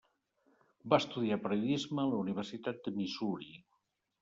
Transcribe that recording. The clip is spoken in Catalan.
Va estudiar periodisme a la Universitat de Missouri.